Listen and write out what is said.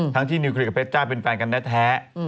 ที่นิวเคลียร์กับเพชจ้าเป็นแฟนกันแท้